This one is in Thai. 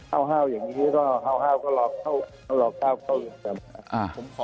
ฮ่าวอย่างนี้ฮ่าวก็รอบข้าวเข้าอื่นกัน